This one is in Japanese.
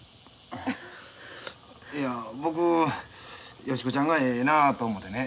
いや僕ヨシ子ちゃんがええなと思てね。